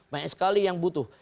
banyak sekali yang butuh